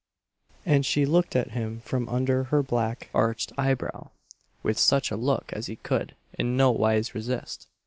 And she looked at him from under her black arched eye brow with such a look as he could in no wise resist.